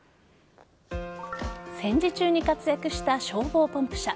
戦時中に活躍した消防ポンプ車。